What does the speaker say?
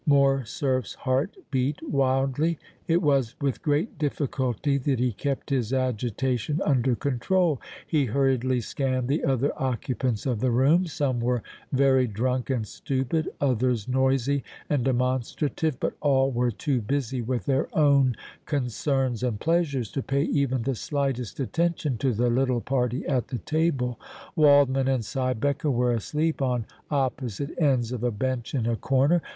Morcerf's heart beat wildly; it was with great difficulty that he kept his agitation under control. He hurriedly scanned the other occupants of the room some were very drunk and stupid, others noisy and demonstrative, but all were too busy with their own concerns and pleasures to pay even the slightest attention to the little party at the table; Waldmann and Siebecker were asleep on opposite ends of a bench in a corner.